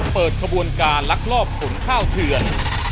เปิดขบวนการลักลอบขนข้าวเถื่อน